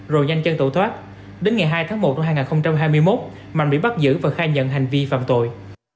rồi nhanh chân tẩu thoát đến ngày hai tháng một năm hai nghìn hai mươi một mạnh bị bắt giữ và khai nhận hành vi phạm tội